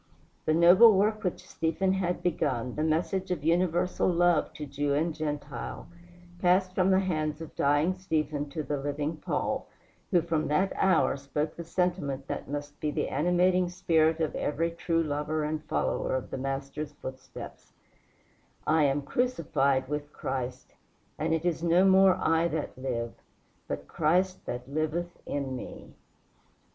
The noble work which Stephen had begun, the message of universal love to Jew and Gentile, passed from the hands of dying Stephen to the living Paul, who from that hour spoke the sentiment that must be the animating spirit of every true lover and follower of the Master's footsteps: "I am crucified with Christ; and now it is no more I that live, but Christ that liveth in me."